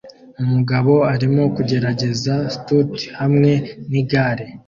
Umugabo arimo kugerageza stunt hamwe nigare